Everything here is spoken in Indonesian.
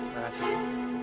terima kasih bu